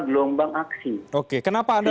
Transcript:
gelombang aksi oke kenapa anda